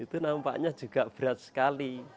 itu nampaknya juga berat sekali